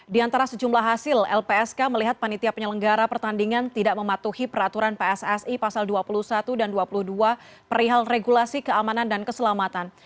di antara sejumlah hasil lpsk melihat panitia penyelenggara pertandingan tidak mematuhi peraturan pssi pasal dua puluh satu dan dua puluh dua perihal regulasi keamanan dan keselamatan